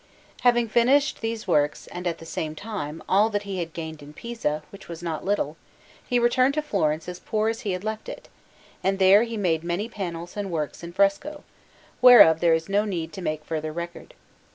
Having finished these works and at the same time all that he had gained Pisa, which was not little, he returned to Florence as poor as he had left it, and there he made many panels and works in fresco, whereof there is no need to make further record.